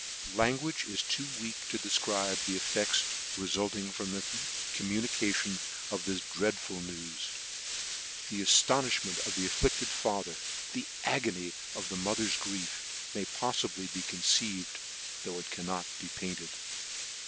Language is too weak to defcribe the effects refulting from the communication of this dreadful news : the aftonifhment of the afflicted father, the agony of the mother's grief, may poffibly be con ceived, though it cannot be painttd.